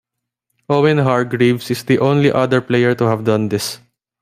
Owen Hargreaves is the only other player to have done this.